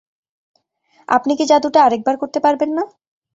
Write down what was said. আপনি কি জাদুটা আরেকবার করতে পারবেন না?